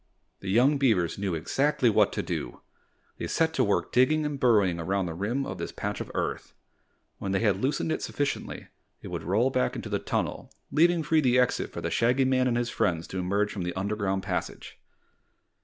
The young beavers knew exactly what to do. They set to work digging and burrowing around the rim of this patch of earth. When they had loosened it sufficiently it would roll back into the tunnel, leaving free the exit for the Shaggy Man and his friends to emerge from the underground passage.